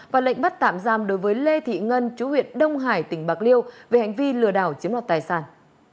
và lệnh bắt tạm giam đối với lê thị ngân chú huyện đông hải tỉnh bạc liêu về hành vi lừa đảo chiếm đoạt tài sản